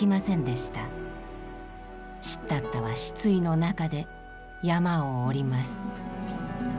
シッダッタは失意の中で山を下ります。